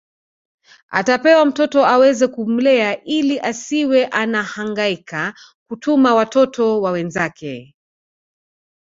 Atapewa mtoto aweze kumlea ili asiwe anahangaika kutuma watoto wa wenzake